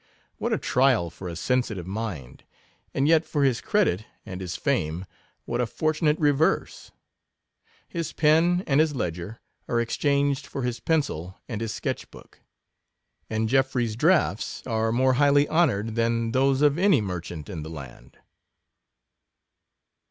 What a trial for a sensitive mind — and yet for his credit and his fame what a fortunate reverse ! His pen and his ledger are exchanged for his pencil and his sketch book ; and Geoffrey's drafts are more highly honoured, than those of any merchant in the land.